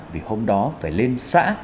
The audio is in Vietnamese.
vì hôm đó phải lên xã